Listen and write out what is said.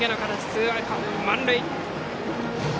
ツーアウト満塁。